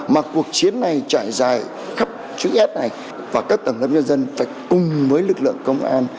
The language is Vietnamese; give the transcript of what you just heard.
mà cuộc chiến này trải dài khắp chữ s này và các tầng lập nhân dân phải cùng với lực lượng công an